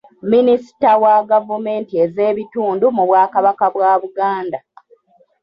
Minisita wa gavumenti ez'ebitundu mu Bwakabaka bwa Buganda